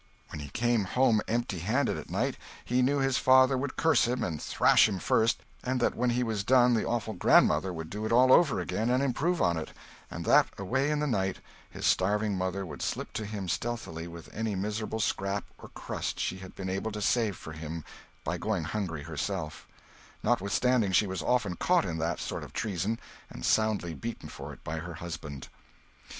When he came home empty handed at night, he knew his father would curse him and thrash him first, and that when he was done the awful grandmother would do it all over again and improve on it; and that away in the night his starving mother would slip to him stealthily with any miserable scrap or crust she had been able to save for him by going hungry herself, notwithstanding she was often caught in that sort of treason and soundly beaten for it by her husband.